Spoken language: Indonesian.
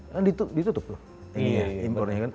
kan ditutup loh impornya